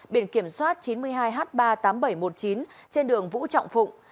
biển kiểm soát chín mươi hai h ba mươi tám nghìn bảy trăm một mươi chín trên đường vũ trọng phụng